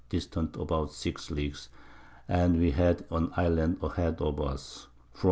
distant about 6 Leagues, and we had an Island a head of us, from N.